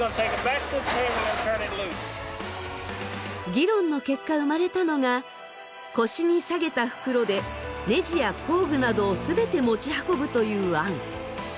議論の結果生まれたのが腰に提げた袋でネジや工具などを全て持ち運ぶという案。